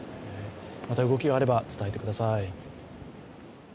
また動きがあれば伝えてください。